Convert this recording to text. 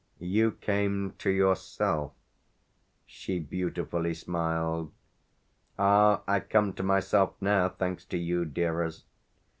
"You came to yourself," she beautifully smiled. "Ah I've come to myself now thanks to you, dearest.